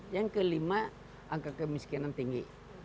yang kelima angka kemiskinan tinggi